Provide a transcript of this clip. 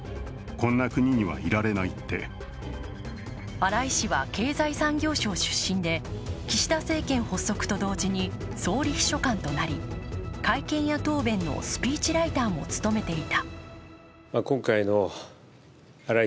荒井氏は経済産業省出身で、岸田政権発足と同時に総理秘書官となり会見や答弁のスピーチライターも務めていた。